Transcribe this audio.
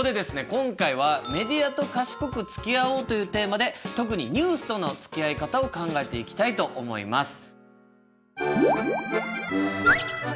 今回は「メディアとかしこくつきあおう」というテーマで特にニュースとのつきあい方を考えていきたいと思います。